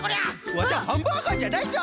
ワシはハンバーガーじゃないぞ！